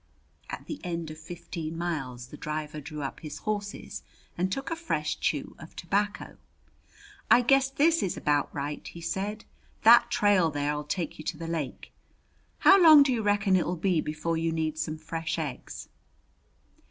At the end of fifteen miles the driver drew up his horses and took a fresh chew of tobacco. "I guess this is about right," he said. "That trail there'll take you to the lake. How long do you reckon it'll be before you'll need some fresh eggs?"